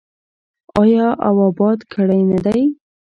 آیا او اباد کړی نه دی؟